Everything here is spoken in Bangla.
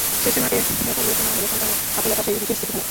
শেষে মাকে পরিয়ে শোনানো হলো সন্তানের হাতে লেখা সেই বিশেষ চিঠিখানা।